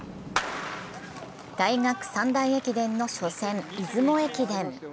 大学三大駅伝の初戦、出雲駅伝。